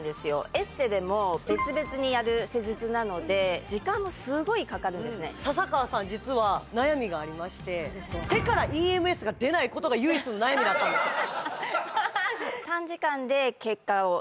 エステでも別々にやる施術なので時間もすごいかかるんですね笹川さん実は悩みがありましてことが唯一の悩みだったんですよ